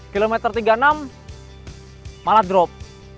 kilometer tiga puluh enam malah drop